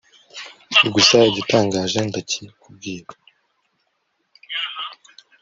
gusa igitangaje ndakikubwira